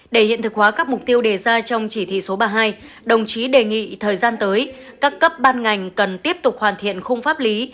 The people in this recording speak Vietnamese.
để hiện thực hóa các mục tiêu đề ra trong chỉ thị số ba mươi hai đồng chí đề nghị thời gian tới các cấp ban ngành cần tiếp tục hoàn thiện khung pháp lý